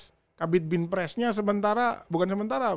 wakabit bimpresnya sementara bukan sementara